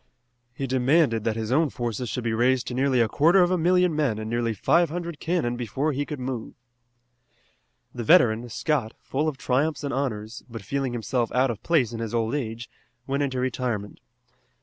He demanded that his own forces should be raised to nearly a quarter of a million men and nearly five hundred cannon before he could move. The veteran, Scott, full of triumphs and honors, but feeling himself out of place in his old age, went into retirement.